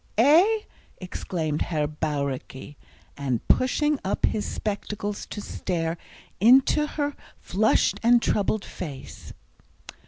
"Eh?" exclaimed Herr Bauricke, and pushing up his spectacles to stare into her flushed and troubled face.